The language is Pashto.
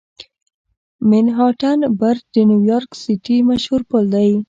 منهاټن برج د نیویارک سیټي مشهور پل دی.